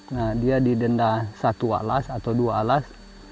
nah dia didenda satu alas atau dua alas